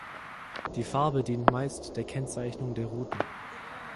Die Farbe dient meist der Kennzeichnung der Routen.